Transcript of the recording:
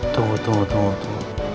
tunggu tunggu tunggu